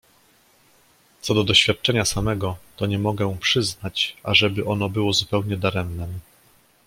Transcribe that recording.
"Co do doświadczenia samego, to nie mogę przyznać, ażeby ono było zupełnie daremnem."